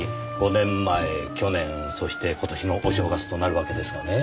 ５年前去年そして今年のお正月となるわけですがね